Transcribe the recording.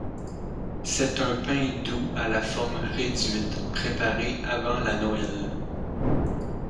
C'est un pain doux à la forme réduite, préparé avant la Noël.